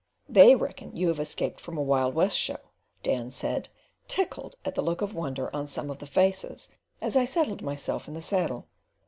"They reckon you have escaped from a 'Wild West Show,'" Dan said, tickled at the look of wonder on some of the faces as I settled myself in the saddle.